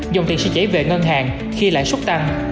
dòng tiền sẽ chảy về ngân hàng khi lại sốt tăng